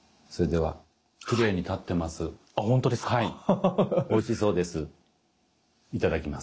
はいおいしそうです。